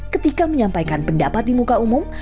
ketika menyampaikan pendapat di muka umum